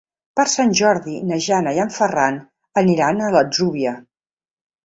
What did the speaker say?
Per Sant Jordi na Jana i en Ferran aniran a l'Atzúbia.